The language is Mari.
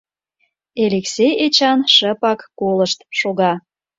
Элексей Эчан шыпак колышт шога.